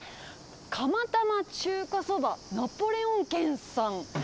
釜玉中華そばナポレオン軒さん。